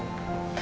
terima kasih pak